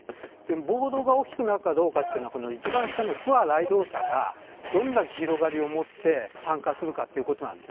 暴動が大きくなるかどうか一番下の付和雷同者がどんな広がりを持って参加するかということです。